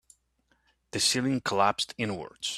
The ceiling collapsed inwards.